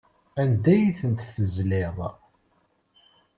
Anda ay tent-tezliḍ?